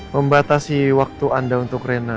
membatasi waktu anda untuk rena